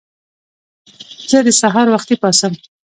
زه د سهار وختي پاڅم.